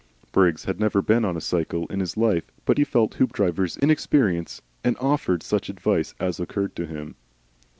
Briggs had never been on a cycle in his life, but he felt Hoopdriver's inexperience and offered such advice as occurred to him.